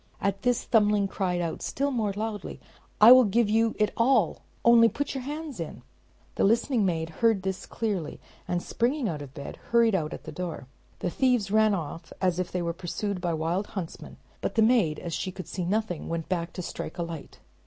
At this, Thumbling cried out still more loudly, "I will give you it all, only put your hands in." The listening maid heard this clearly, and springing out of bed, hurried out at the door. The thieves ran off as if they were pursued by the wild huntsman, but the maid, as she could see nothing, went to strike a light.